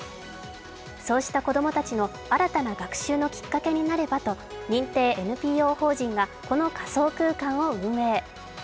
そうした子供たちの新たな学習のきっかけになればと、認定ＮＰＯ法人がこの仮想空間を運営